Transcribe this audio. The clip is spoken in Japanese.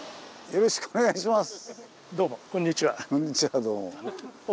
よろしくお願いします。